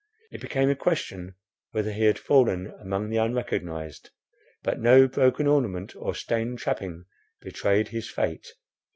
It became a question whether he had fallen among the unrecognized; but no broken ornament or stained trapping betrayed his fate.